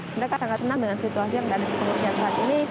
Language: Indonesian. mereka sangat senang dengan situasi yang ada di pengungsian saat ini